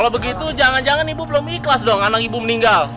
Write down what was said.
kalau begitu jangan jangan ibu belum ikhlas dong anak ibu meninggal